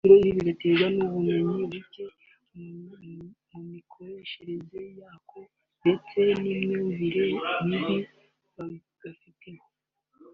ngo ibi bigaterwa n’ubumenyi buke mu mikoreshereze yako ndetse n’imyumvire mibi bagafiteho